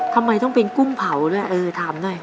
ทำไมต้องเป็นกุ้งเผาด้วยเออถามหน่อย